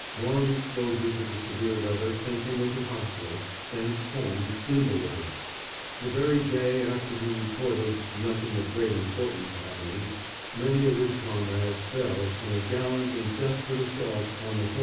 Long exposure to the severe weather sent him into hospital, thence home, invalided. The very day after he reported "nothing of great importance happening" many of his comrades fell in a gallant and desperate assault on the Hohenzollern Redoubt.)